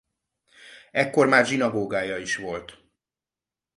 Ekkor már zsinagógája is volt.